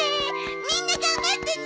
みんな頑張ってね！